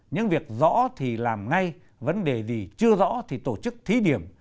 những việc rõ thì làm ngay vấn đề gì chưa rõ thì tổ chức thí điểm